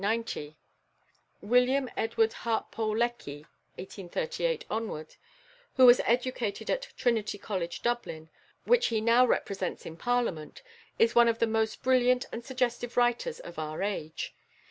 =William Edward Hartpole Lecky (1838 )=, who was educated at Trinity College, Dublin, which he now represents in Parliament, is one of the most brilliant and suggestive writers of our age.